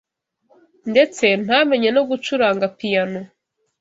ndetse ntamenye no gucuranga piyano